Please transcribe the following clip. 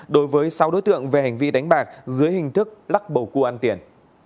đối với sáu đối tượng về hành vi đánh bạc dưới hình thức lắc bầu cu ăn tiền